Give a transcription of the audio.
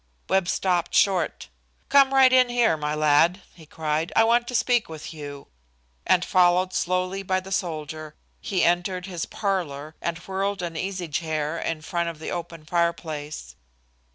Webb stopped short: "Come right in here, my lad," he cried, "I want to speak with you," and, followed slowly by the soldier, he entered his parlor, and whirled an easy chair in front of the open fireplace.